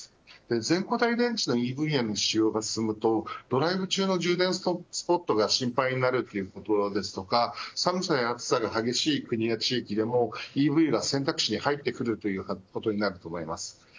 全固体電池のＥＶへの使用が進むとドライブ中の充電スポットが心配になるということですとか寒さや暑さが激しい国や地域でもＥＶが選択肢に入ってくるということになると思います。